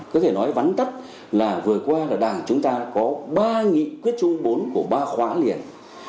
có thể nói vắn tắt là vừa qua là đảng chúng ta có ba nghị quyết chung bốn của ba khóa liền